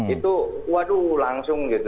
itu waduh langsung gitu